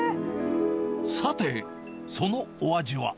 さて、そのお味は。